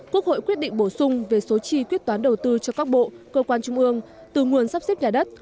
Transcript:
quốc hội quyết định bổ sung về số chi quyết toán đầu tư cho các bộ cơ quan trung ương từ nguồn sắp xếp nhà đất